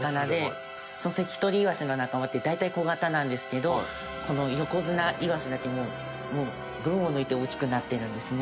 セキトリイワシの仲間って大体小型なんですけどこのヨコヅナイワシだけもうもう群を抜いて大きくなってるんですね。